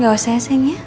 gak usah ya sayangnya